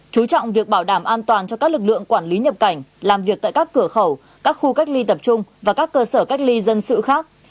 chú trọng việc bảo đảm an toàn cho các lực lượng quản lý nhập cảnh làm việc tại các cửa khẩu các khu cách ly tập trung và các cơ sở cách ly dân sự khác